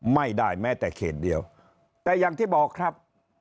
ไม่ได้แม้แต่เขตเดียวแต่อย่างที่บอกครับ